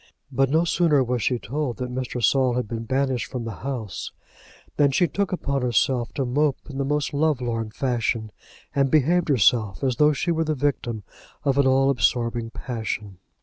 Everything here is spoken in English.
But no sooner was she told that Mr. Saul had been banished from the house, than she took upon herself to mope in the most love lorn fashion, and behaved herself as though she were the victim of an all absorbing passion.